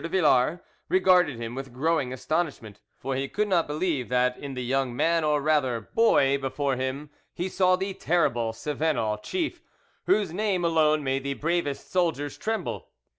de Villars regarded him with growing astonishment; for he could not believe that in the young man, or rather boy, before him he saw the terrible Cevenol chief, whose name alone made the bravest soldiers tremble.